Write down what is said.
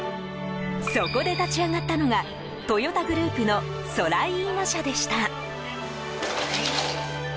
そこで立ち上がったのがトヨタグループのそらいいな社でした。